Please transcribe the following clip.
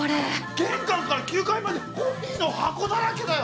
玄関から９階までコピーの箱だらけだよ。